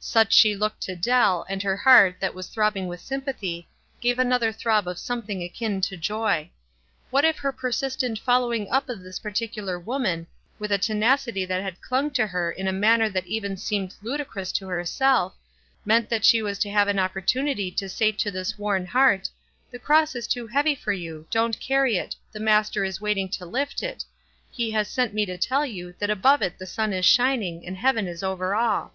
Such she looked to Dell, and her heart, that was throbbing with sympathy, gave another throb of something akin to joy. What if her persistent following up uf this par ticular woman, with a tenacity that had clung to her in a manner that even seemed ludicrous to herself, meant that she as to have an oppor tunity to say to this worn heart, "The cross is too heavy for you ; don't carry it ; the Master is waiting to lift it ; he has sent me to tell you that above it the sun is shining, and heaven is over all."